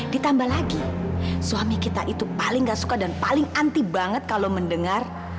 ditambah lagi suami kita itu paling gak suka dan paling anti banget kalau mendengar